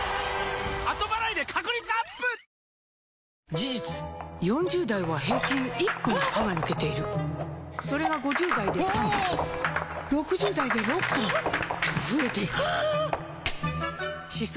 事実４０代は平均１本歯が抜けているそれが５０代で３本６０代で６本と増えていく歯槽